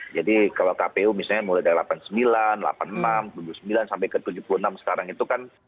jadi kalau kpu misalnya mulai dari delapan puluh sembilan delapan puluh enam tujuh puluh sembilan sampai ke tujuh puluh enam sekarang itu kan